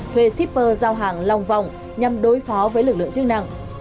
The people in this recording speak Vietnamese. thuê shipper giao hàng long vòng nhằm đối phó với lực lượng chức năng